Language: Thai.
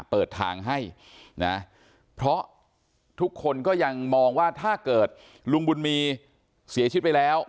เปิดทางให้นะเพราะทุกคนก็ยังมองว่าถ้าเกิดลุงบุญมีเสียชีวิตไปแล้ว